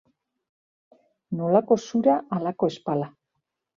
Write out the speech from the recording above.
Nolako zura, halako ezpala.